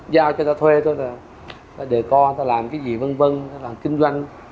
giao cho ta thuê thôi ta đề co ta làm cái gì vân vân ta làm kinh doanh